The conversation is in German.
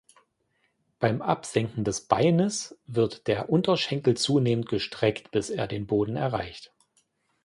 Beim Absenken des Beines wird der Unterschenkel zunehmend gestreckt, bis er den Boden erreicht.